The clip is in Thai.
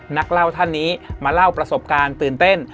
นักเล่าท่านนี้มาเล่าประสบการณ์ตื่นเต้น